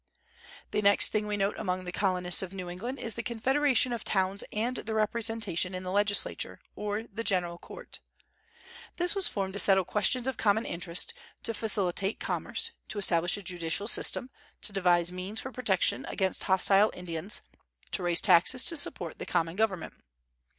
The next thing we note among the Colonists of New England is the confederation of towns and their representation in the Legislature, or the General Court. This was formed to settle questions of common interest, to facilitate commerce, to establish a judicial system, to devise means for protection against hostile Indians, to raise taxes to support the common government.